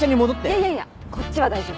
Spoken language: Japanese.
いやいやいやこっちは大丈夫。